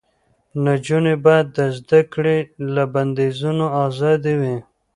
نجونې باید د زده کړې له بندیزونو آزادې وي.